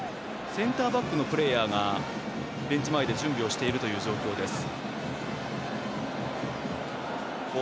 センターバックのプレーヤーがベンチ前で準備しているという状況です。